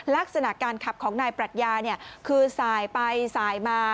ลักษณะการขับของนายปรัชญาคือสายไปสายมา